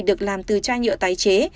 được làm từ trai nhựa tái chế